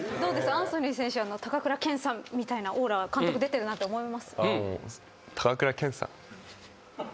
アンソニー選手は高倉健さんみたいなオーラ監督出てるなって思います？